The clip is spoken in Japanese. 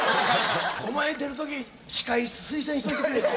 お前出る時司会推薦しといてくれよ。